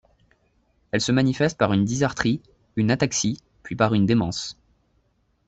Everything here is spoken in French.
Elle se manifeste par une dysarthrie, une ataxie, puis par une démence.